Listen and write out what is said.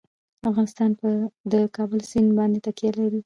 افغانستان په د کابل سیند باندې تکیه لري.